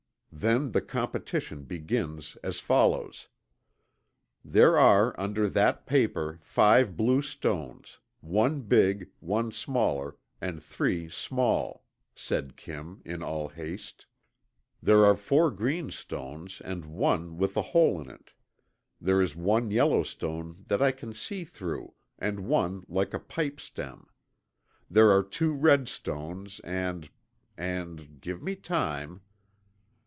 Then the competition begins, as follows: "'There are under that paper five blue stones, one big, one smaller, and three small,' said Kim in all haste. There are four green stones, and one with a hole in it; there is one yellow stone that I can see through, and one like a pipe stem. There are two red stones, and and give me time.'"